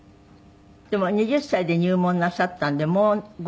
でも２０歳で入門なさったんでもう５０年目に入る。